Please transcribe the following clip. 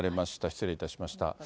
失礼いたしました。